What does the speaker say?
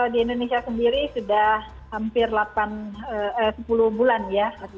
di indonesia sendiri sudah hampir sepuluh bulan ya